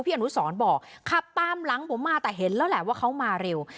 อนุสรบอกขับตามหลังผมมาแต่เห็นแล้วแหละว่าเขามาเร็ว